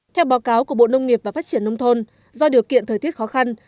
theo báo cáo của bộ nông nghiệp và phát triển nông thôn do điều kiện thời tiết khó khăn